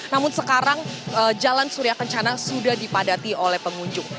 namun sekarang jalan surya kencana sudah dipadati oleh pengunjung